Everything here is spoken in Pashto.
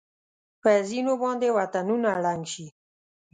په ځېنو باندې وطنونه ړنګ شي.